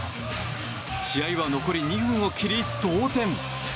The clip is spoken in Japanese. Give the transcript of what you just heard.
試合は残り２分を切り同点。